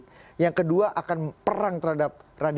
dia merupakan pemimpin komunitas